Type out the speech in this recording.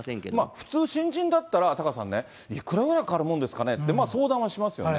普通、新人だったら、タカさんね、いくらぐらいかかるもんですかねって、相談はしますよね。